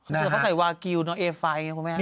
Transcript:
ที่เขาใส่วาเกลิ้วเนาเอฟรัย